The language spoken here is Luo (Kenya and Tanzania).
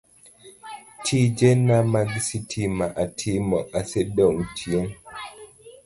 Tijena mag sitima atimo osedong' chien,